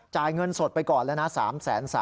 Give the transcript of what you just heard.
จ่ายเงินสดไปก่อนแล้วนะ๓แสน๓